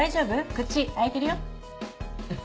口開いてるよ。